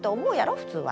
普通は。